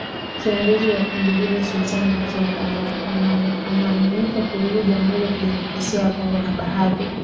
Kiongozi wa kundi hilo Sultani Makenga anaaminika kurudi Jamuhuri ya kidemokrasia ya kongo na badhi